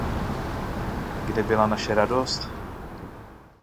Kde byla naše radost?